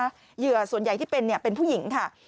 เหยื่อส่วนใหญ่ที่เป็นเป็นผู้หญิงค่ะ